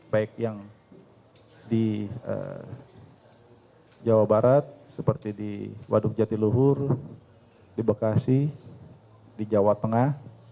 baik yang di jawa barat seperti di waduk jatiluhur di bekasi di jawa tengah